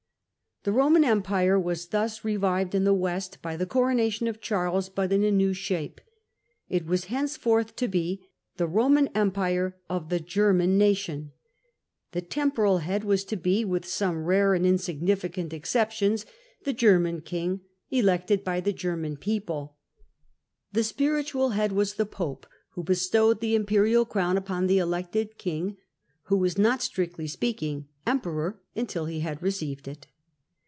The Roman Empire was thus revived in the West by the coronation of Charles, but in a new shape. It was henceforth to be *the Roman Empire of the German nation ;' the temporal head was to be (with some rare and insignificant ex ceptions) the German king elected by the German people ; the spiritual head was the pope, who bestowed the imperial crown upon the elected* king, who was not, strictly speaking, emperor until he had received it.